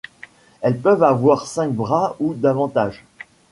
Elles peuvent avoir cinq bras ou davantage.